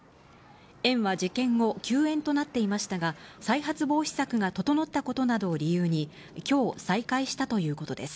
園は事件後、休園となっていましたが、再発防止策が整ったことなどを理由に、きょう、再開したということです。